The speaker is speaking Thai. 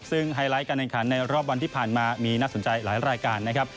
ซึ่งไฮไลท์การแข่งขันในรอบวันที่ผ่านมามีน่าสนใจหลายรายการนะครับ